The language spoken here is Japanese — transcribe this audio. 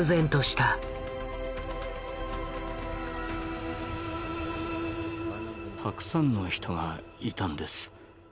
たくさんの人がいたんです。